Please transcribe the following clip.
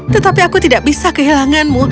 tetapi aku tidak bisa kehilanganmu